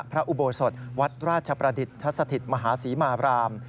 อุโบสถวัดราชประดิษฐสถิตมหาศรีมาบราม